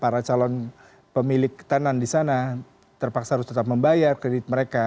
para calon pemilik tanan di sana terpaksa harus tetap membayar kredit mereka